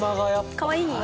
かわいい？